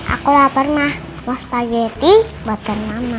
aku lapar mah mau spageti buatan mama